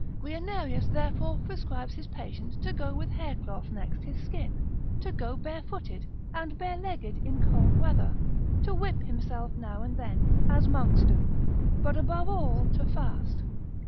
Guianerius therefore prescribes his patient to go with hair cloth next his skin, to go barefooted, and barelegged in cold weather, to whip himself now and then, as monks do, but above all to fast.